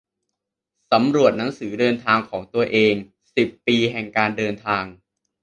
สำรวจหนังสือเดินทางของตัวเอง สิบปีแห่งการเดินทาง